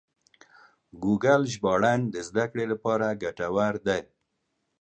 ګوګل ژباړن د زده کړې لپاره ګټور دی.